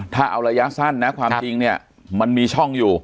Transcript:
ถ้าเอาระยะสั้นนะความจริงเนี่ยมันมีช่องอยู่